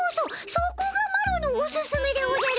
そこがマロのオススメでおじゃる。